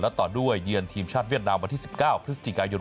และต่อด้วยเยือนทีมชาติเวียดนามวันที่๑๙พฤศจิกายน